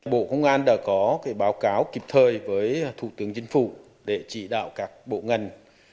bộ công an đã có báo cáo kịp thời với thủ tướng chính phủ để chỉ đạo các bộ ngành